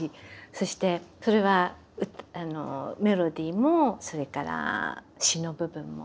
そしてそれはメロディーもそれから詞の部分も。